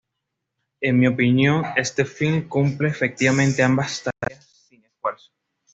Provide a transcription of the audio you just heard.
En mi opinión, este filme cumple efectivamente ambas tareas sin esfuerzo".